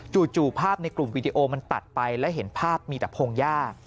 ภาพในกลุ่มวีดีโอมันตัดไปแล้วเห็นภาพมีแต่พงหญ้า